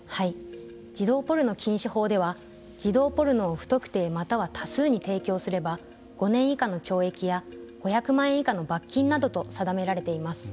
児童ポルノ禁止法では児童ポルノを不特定または多数に提供すれば、５年以下の懲役や５００万円以下の罰金などと定められています。